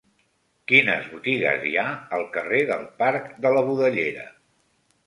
Quines botigues hi ha al carrer del Parc de la Budellera?